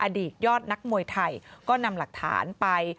อดีตยอดนักมวยไทยก็นำหลักฐานไป